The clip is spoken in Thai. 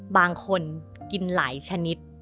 บางคนกินหลายชนิด